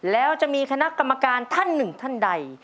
แล้วจะมีคณะกรรมการท่านหนึ่งท่านใด